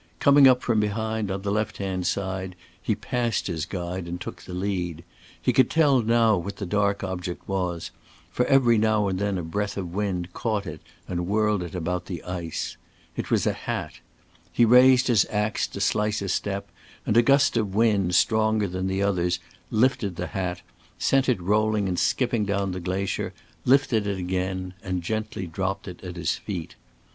Coming up from behind on the left hand side, he passed his guide and took the lead. He could tell now what the dark object was, for every now and then a breath of wind caught it and whirled it about the ice. It was a hat. He raised his ax to slice a step and a gust of wind, stronger than the others, lifted the hat, sent it rolling and skipping down the glacier, lifted it again and gently dropped it at his feet.